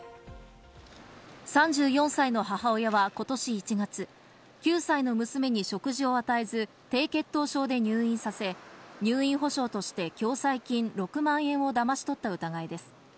３４歳の母親はことし１月、９歳の娘に食事を与えず、低血糖症で入院させ、入院保障として共済金６万円をだまし取った疑いです。